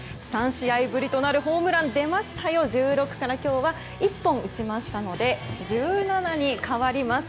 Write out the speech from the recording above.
３試合ぶりとなるホームラン出ましたよ、１６から今日は１本打ちましたので１７に変わります。